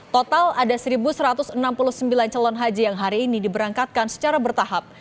total ada satu satu ratus enam puluh sembilan calon haji yang hari ini diberangkatkan secara bertahap